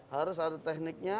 harus ada tekniknya